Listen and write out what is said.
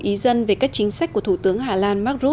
ý dân về các chính sách của thủ tướng hà lan